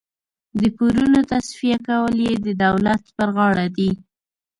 د پورونو تصفیه کول یې د دولت پر غاړه دي.